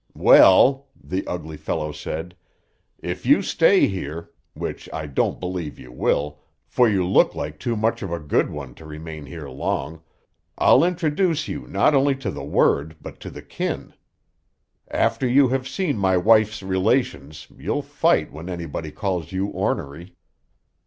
"Well," the ugly fellow said, "if you stay here, which I don't believe you will, for you look too much like a good one to remain here long, I'll introduce you not only to the word but to the kin. After you have seen my wife's relations, you'll fight when anybody calls you ornery."